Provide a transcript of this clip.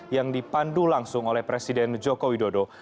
yang dipandu langsung oleh presiden joko widodo